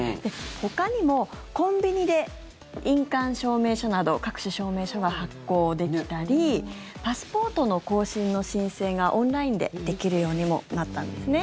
ほかにも、コンビニで印鑑証明書など各種証明書が発行できたりパスポートの更新の申請がオンラインでできるようにもなったんですね。